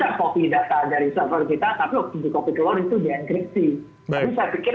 dan mereka bisa mengamalkan dengan lebih baik